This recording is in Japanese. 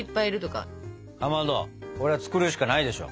かまどこれは作るしかないでしょ。